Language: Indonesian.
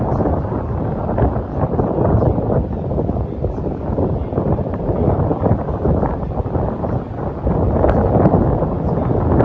jangan lupa subscribe like komen dan share